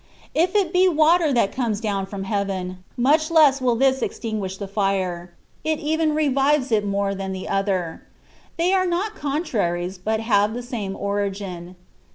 If it be water that comes down from heaven, much less will this extinguish the fire; it even revives it more than the other ; they are not contraries, but have the same origin.